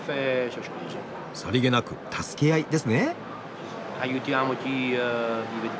「さりげなく助け合い」ですね！